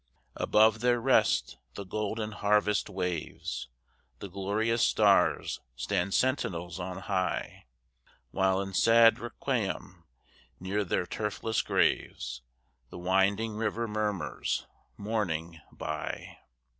Above their rest the golden harvest waves, The glorious stars stand sentinels on high, While in sad requiem, near their turfless graves, The winding river murmurs, mourning, by.